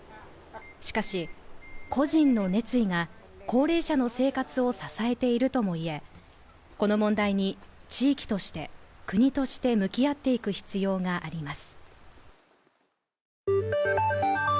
しかし、個人の熱意が高齢者の生活を支えているともいえ、この問題に、地域として、国として向き合っていく必要があります。